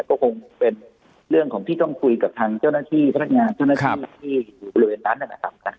แล้วก็คงเป็นเรื่องที่ต้องคุยกับเจ้าหน้าที่พหลักงานเจ้าหน้าที่อยู่ในบริเวณนั้นนั่น